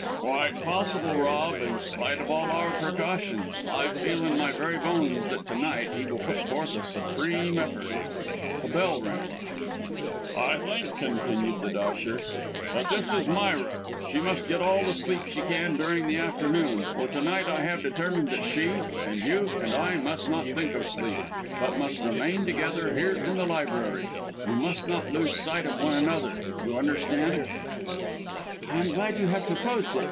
"Quite possible, Rob, in spite of all our precautions. I feel in my very bones that to night he will put forth a supreme effort." A bell rang. "I think," continued the doctor, "that this is Myra. She must get all the sleep she can, during the afternoon; for to night I have determined that she, and you, and I, must not think of sleep, but must remain together, here in the library. We must not lose sight of one another you understand?" "I am glad that you have proposed it!"